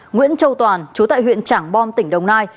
nguyễn châu toàn chú tại huyện trảng bom tỉnh đồng nai